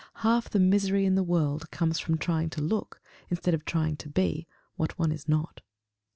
Half the misery in the world comes from trying to look, instead of trying to be, what one is not.